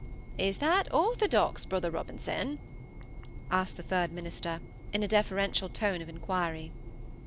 "Is that orthodox, Brother Robinson?" asked the third minister, in a deferential tone of inquiry.